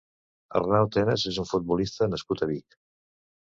Arnau Tenas és un futbolista nascut a Vic.